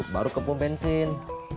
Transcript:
baru ke pump bensin